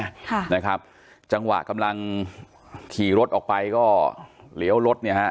ค่ะนะครับจังหวะกำลังขี่รถออกไปก็เลี้ยวรถเนี่ยฮะ